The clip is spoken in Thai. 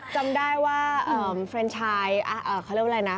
จำได้ว่าเฟรนชายเขาเรียกว่าอะไรนะ